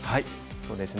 そうですね